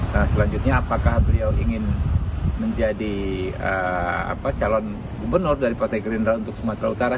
nah selanjutnya apakah beliau ingin menjadi calon gubernur dari partai gerindra untuk sumatera utara